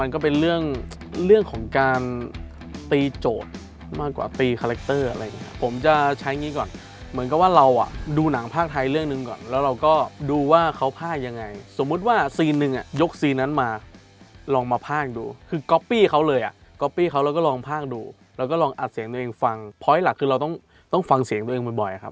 คือเราก็ต้องพิสูจน์ตัวเองด้วยระดับหนึ่งว่าเราสามารถทำงานได้นะ